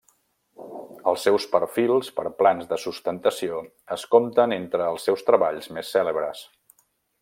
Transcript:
Els seus perfils per plans de sustentació es compten entre els seus treballs més cèlebres.